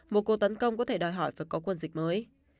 một cuộc tấn công có thể đòi hỏi phải có quân dịch mới